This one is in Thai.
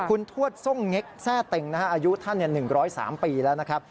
คุณทวดทรงเง็กแทร่เต็งนะฮะอายุท่าน๑๐๓ปีแล้วนะครับ